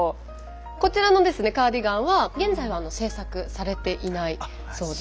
こちらのですねカーディガンは現在は製作されていないそうで。